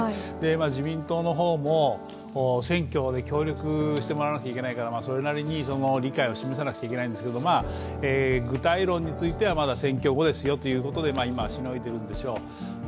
自民党も選挙で協力してもらわないといけないからそれなりに理解を示さなくちゃいけないんですけど、具体論についてはまだ選挙後ですよということで今はしのいでるんでしょう。